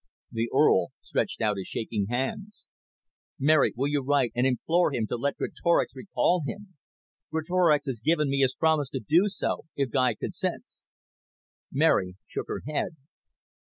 The Earl stretched out his shaking hands. "Mary, will you write and implore him to let Greatorex recall him. Greatorex has given me his promise to do so, if Guy consents." Mary shook her head.